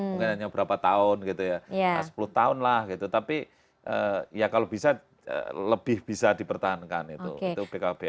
mungkin hanya berapa tahun gitu ya sepuluh tahun lah gitu tapi ya kalau bisa lebih bisa dipertahankan itu pkb